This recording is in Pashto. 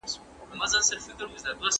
په بېوزلي کلي تُند